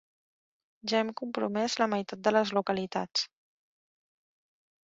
Ja hem compromès la meitat de les localitats.